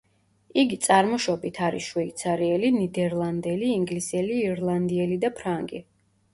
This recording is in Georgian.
იგი წარმოშობით არის შვეიცარიელი, ნიდერლანდელი, ინგლისელი, ირლანდიელი და ფრანგი.